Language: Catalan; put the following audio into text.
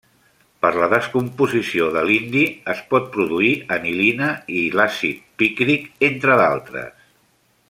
Per la descomposició de l'indi es pot produir anilina i l'àcid pícric, entre d'altres.